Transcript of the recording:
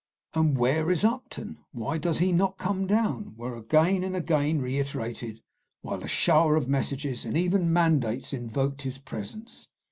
"And where is Upton? why does he not come down?" were again and again reiterated; while a shower of messages and even mandates invoked his presence.